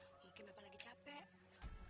mungkin bapak lagi capek